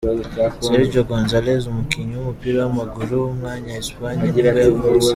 Sergio González, umukinnyi w’umupira w’amaguru w’umunya Espagne nibwo yavutse.